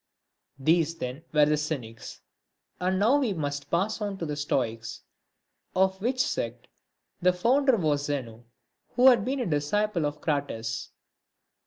These then were the Cynics ; and now we must pass on to the Stoics, of which sect the founder was Zeno, who had been a disciple of Crates.